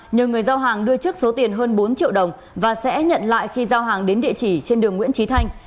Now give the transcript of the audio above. nhờ người giao hàng đưa trước số tiền hơn bốn triệu đồng và sẽ nhận lại khi giao hàng đến địa chỉ trên đường nguyễn trí thanh